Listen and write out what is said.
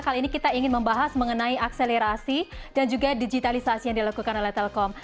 kali ini kita ingin membahas mengenai akselerasi dan juga digitalisasi yang dilakukan oleh telkom